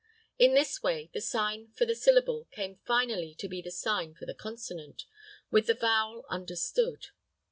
In this way the sign for the syllable came finally to be the sign for the consonant, with the vowel understood.